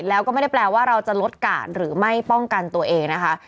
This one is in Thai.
แล้วก็ไม่ได้แปลว่าเราจะลดการหรือไม่ป้องกันตัวเองนะคะ